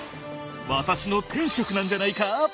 私の天職なんじゃないか！？